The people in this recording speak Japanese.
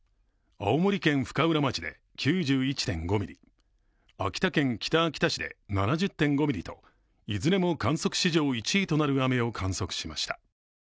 青森県深浦町で９１．５ミリ、秋田県北秋田市で７０．５ミリと、いずれも観測史上１位となる雨を観測しました。